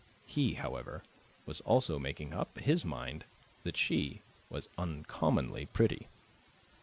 He, however, was also making up his mind that she was uncommonly pretty.